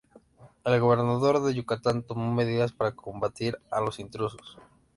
El gobernador de Yucatán tomó medidas para combatir a los intrusos.